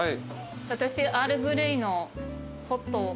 私アールグレイのホットを。